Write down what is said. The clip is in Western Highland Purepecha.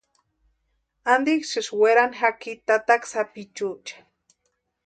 ¿Antiksï werani jaki tataka sapichuecha?